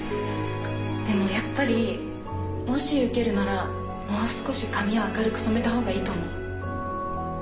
でもやっぱりもし受けるならもう少し髪を明るく染めた方がいいと思う。